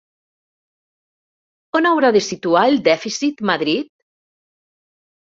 On haurà de situar el dèficit Madrid?